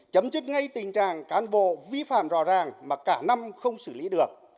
chấm dứt ngay tình trạng cán bộ vi phạm rõ ràng mà cả năm không xử lý được